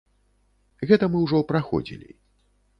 Гэта мы ўжо праходзілі.